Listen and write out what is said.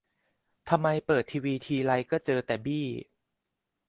ทำไมเปิดทีวีทีไรก็เจอแต่บี้